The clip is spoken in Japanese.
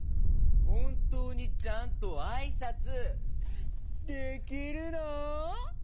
ほんとうにちゃんとあいさつできるの？